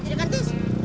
iya kan tis